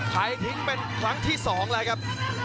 หายทิ้งเป็นครั้งที่สองเลยครับ